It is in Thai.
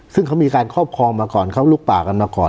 ซึ่งเขามีการครอบครองมาก่อนเขาลุกป่ากันมาก่อน